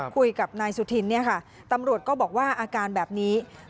คุยกับนายสุธินเนี่ยค่ะตำรวจก็บอกว่าอาการแบบนี้